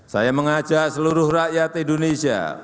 saya mengajak seluruh rakyat indonesia